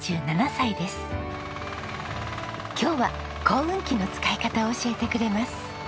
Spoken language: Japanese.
今日は耕運機の使い方を教えてくれます。